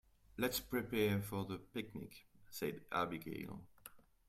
"Let's prepare for the picnic!", said Abigail.